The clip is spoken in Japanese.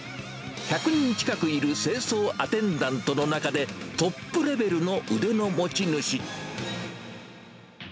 １００人近くいる清掃アテンダントの中で、トップレベルの腕の持ち主。